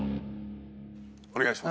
お願いします。